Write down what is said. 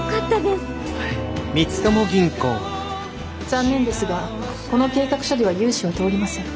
残念ですがこの計画書では融資は通りません。